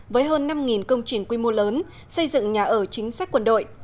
với hơn năm công trình quy mô lớn xây dựng nhà ở chính sách quân đội